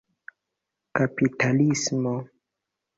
kapitalismo